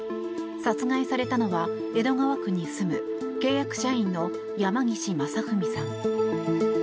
殺害されたのは江戸川区に住む契約社員の山岸正文さん。